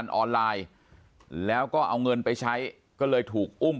ปากกับภาคภูมิ